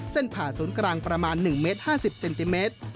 ผ่าศูนย์กลางประมาณ๑เมตร๕๐เซนติเมตร